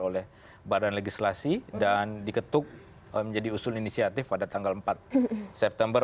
oleh badan legislasi dan diketuk menjadi usul inisiatif pada tanggal empat september